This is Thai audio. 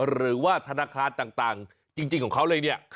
หรือว่าธนาคารต่างจริงของเขาเลยเนี่ย